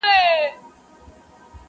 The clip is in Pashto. دا خو زموږ د مړو لو بې عزتي ده,